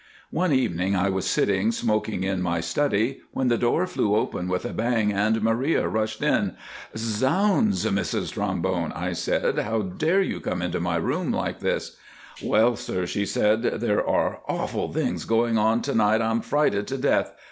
"One evening I was sitting smoking in my study, when the door flew open with a bang and Maria rushed in. "'Zounds! Mrs Trombone,' I said, 'how dare you come into my room like this?' "'Well, sir,' she said, 'there are hawful things going on to night. I'm frighted to death.